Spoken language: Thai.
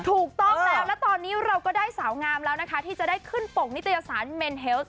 ถูกต้องแล้วแล้วตอนนี้เราก็ได้สาวงามแล้วนะคะที่จะได้ขึ้นปกนิตยสารเมนเฮลส์